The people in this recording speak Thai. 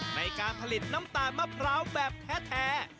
ในการผลิตน้ำตาลมะพร้าวแบบแท้